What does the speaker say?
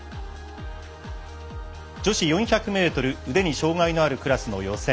女子４００ｍ腕に障がいのあるクラスの予選